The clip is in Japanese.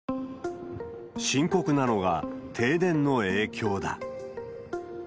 深刻なのが、停電の影響だ。